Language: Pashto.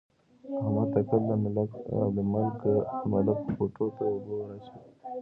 احمد تل د ملک خوټو ته اوبه وراچوي.